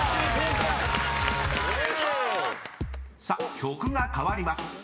［さあ曲が変わります。